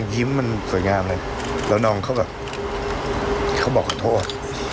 ยิ้มมันสวยงามเลยแล้วน้องเขาแบบเขาบอกขอโทษ